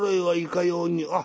はいかように？」。